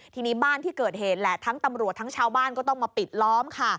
ทีนี้บ้านที่เกิดเหตุแหละทั้งตำรวจทั้งชาวบ้านก็ต้องมาปิดล้อมค่ะ